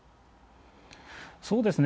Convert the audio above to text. そうですね。